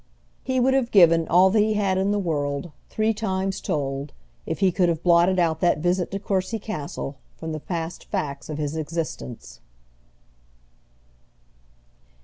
He would have given all that he had in the world, three times told, if he could have blotted out that visit to Courcy Castle from the past facts of his existence.